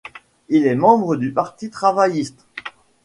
Il était membre du Parti travailliste.